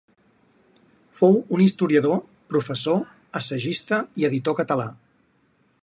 Fou un historiador, professor, assagista i editor català.